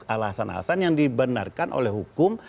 alasan alasan yang dibenarkan oleh hukum